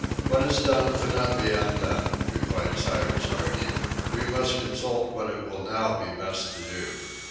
"What is done cannot be undone," replied Cyrus Harding. "We must consult what it will now be best to do."